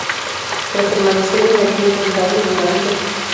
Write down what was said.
Tras permanecer en el club andaluz durante.